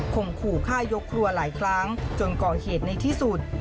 ขู่ฆ่ายกครัวหลายครั้งจนก่อเหตุในที่สุด